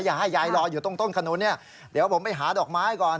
อย่าให้ยายรออยู่ตรงต้นขนุนเนี่ยเดี๋ยวผมไปหาดอกไม้ก่อน